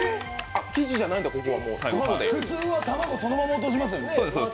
普通は卵、そのまま落としますよね。